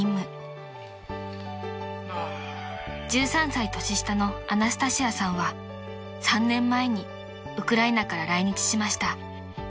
［１３歳年下のアナスタシアさんは３年前にウクライナから来日しました］